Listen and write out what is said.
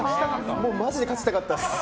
マジで勝ちたかったです。